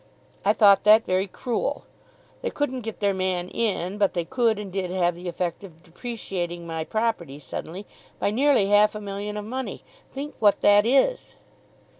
I thought that very cruel. They couldn't get their man in, but they could and did have the effect of depreciating my property suddenly by nearly half a million of money. Think what that is!"